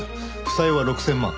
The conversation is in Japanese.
負債は６０００万。